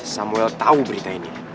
samuel tau berita ini